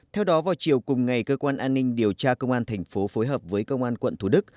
theo đó vào chiều cùng ngày cơ quan an ninh điều tra công an tp hcm phối hợp với công an quận thú đức